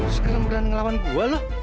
sekarang berani ngelawan gua loh